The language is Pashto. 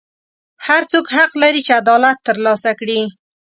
هر څوک حق لري چې عدالت ترلاسه کړي.